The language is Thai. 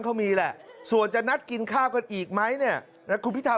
เขามีแหละส่วนจะนัดกินข้าวกันอีกไหมเนี่ยนะคุณพิธา